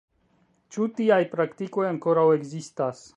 Ĉu tiaj praktikoj ankoraŭ ekzistas?